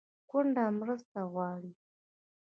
کونډه مرسته غواړي